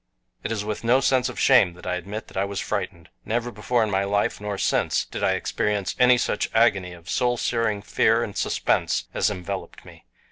It is with no sense of shame that I admit that I was frightened never before in my life, nor since, did I experience any such agony of soulsearing fear and suspense as enveloped me.